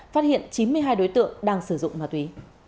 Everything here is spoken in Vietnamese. phát hiện chín mươi hai đối tượng đang sử dụng ma túy